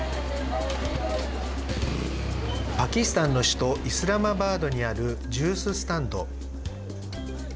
パキスタンの首都イスラマバードにあるジュース・スタンド。